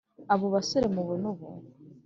abo basore mubona ubu